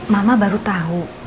mama baru tahu